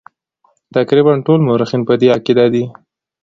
تقریبا ټول مورخین په دې عقیده دي.